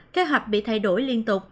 kế hoạch bị thay đổi liên tục